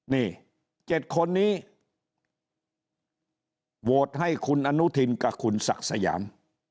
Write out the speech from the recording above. นี่๗คนนี้โหวตให้คุณอนุทินกับคุณศักดิ์สยาม